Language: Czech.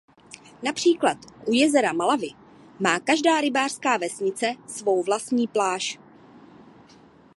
Například u jezera Malawi má každá rybářská vesnice svou vlastní pláž.